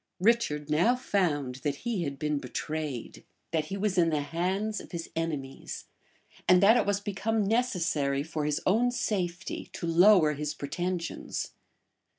Richard now found that he had been betrayed; that he was in the hands of his enemies; and that it was become necessary, for his own safety, to lower his pretensions.